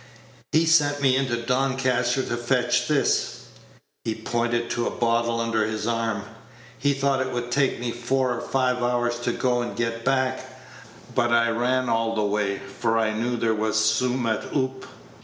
He sent me into Doncaster to fetch this" (he pointed to a bottle under his arm); "he thought it would take me four or five hours to go and get back; but I ran all the way, for I knew there was summat oop."